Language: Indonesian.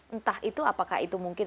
entah itu apakah itu mungkin